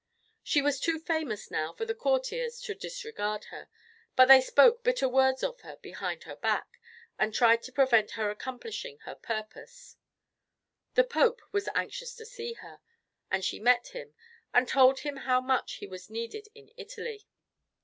She was too famous now for the courtiers to disregard her, but they spoke bitter words of her behind her back and tried to prevent her accomplishing her purpose. The Pope was anxious to see her, and she met him, and told him how much he was needed in Italy.